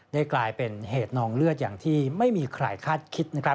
กลายเป็นเหตุนองเลือดอย่างที่ไม่มีใครคาดคิดนะครับ